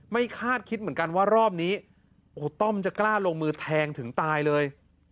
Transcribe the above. คาดคิดเหมือนกันว่ารอบนี้โอ้โหต้อมจะกล้าลงมือแทงถึงตายเลย